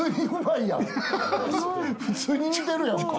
普通に似てるやんか。